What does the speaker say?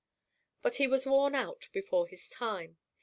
But he was worn out before his time.